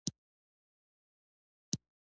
په ورته وخت کې يې په ختيځې اروپا باندې بريد کړی وو